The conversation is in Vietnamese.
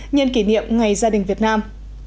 nhân kỷ niệm ngày gia đình việt nam